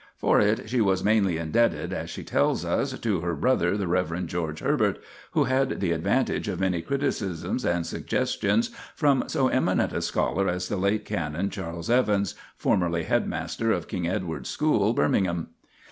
For it she was " mainly indebted," as she tells us, to her " brother the Rev. George Herbert, who had the advantage of many criticisms and suggestions from so eminent a scholar as the late Canon Chas. Evans, formerly Headmaster of King Edward's School, Birmingham."